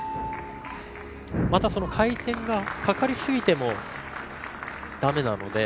また回転がかかりすぎてもだめなので。